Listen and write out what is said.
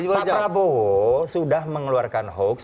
pak prabowo sudah mengeluarkan hoax